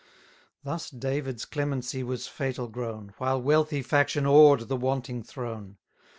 Thus David's clemency was fatal grown, While wealthy faction awed the wanting throne.